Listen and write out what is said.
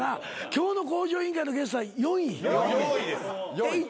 今日の『向上委員会』のゲストは４位？